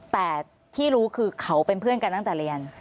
แต่ที่รู้คือเขาเป็นเพื่อนกันตั้งแต่เรียน